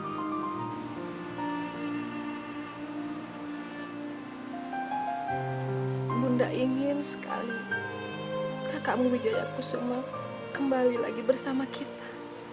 ibunda ingin sekali kakakmu wijaya kusuma kembali lagi bersama kita